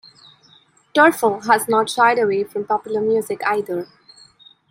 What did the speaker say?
Terfel has not shied away from popular music either.